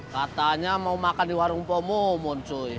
katanya mau makan di warung pomomun cuy